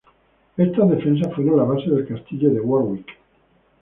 Estas defensas fueron la base del castillo de Warwick.